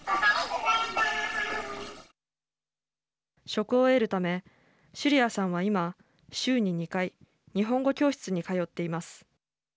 職を得るためシュリアさんは今週に２回日本語教室に通っています。